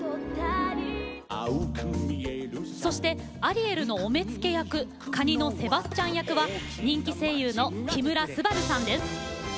そしてアリエルのお目付け役カニのセバスチャン役は人気声優の木村昴さんです。